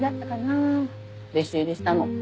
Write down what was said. あ弟子入りしたの。